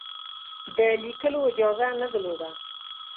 د لیکلو اجازه نه درلوده.